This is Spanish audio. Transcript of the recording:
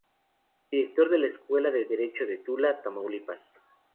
Director de la Escuela de Derecho de Tula, Tamaulipas.